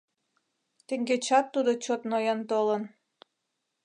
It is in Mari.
Теҥгечат тудо чот ноен толын.